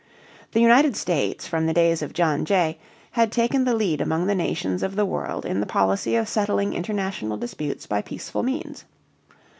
The United States from the days of John Jay had taken the lead among the nations of the world in the policy of settling international disputes by peaceful means.